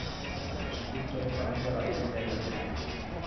Eskultore familia batean jaio zen.